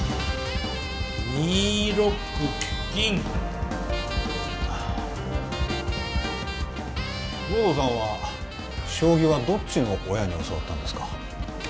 ２六銀護道さんは将棋はどっちの親に教わったんですか？